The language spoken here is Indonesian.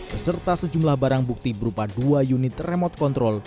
beserta sejumlah barang bukti berupa dua unit remote control